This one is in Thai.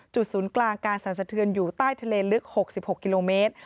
ศูนย์กลางการสั่นสะเทือนอยู่ใต้ทะเลลึก๖๖กิโลเมตร